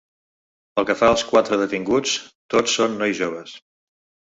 Pel que fa als quatre detinguts, tots són nois joves.